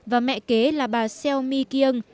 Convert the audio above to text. và mẹ kế là bà seo mi kyung